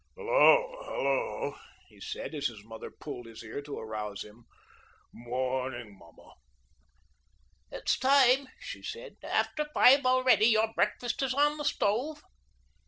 "Hello, hello," he said, as his mother pulled his ear to arouse him; "morning, mamma." "It's time," she said, "after five already. Your breakfast is on the stove."